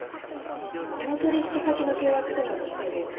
この取引先の契約書なんですけど。